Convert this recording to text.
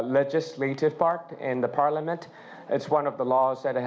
เวลาที่ทำงานไม่ได้